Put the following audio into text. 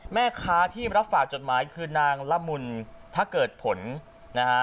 แม่ค้าที่รับฝากจดหมายคือนางละมุนถ้าเกิดผลนะฮะ